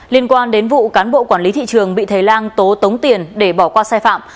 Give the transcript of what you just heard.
liên quan đến vụ cán bộ quản lý thị trường bị thầy lang tố tống tiền để bỏ qua sai phạm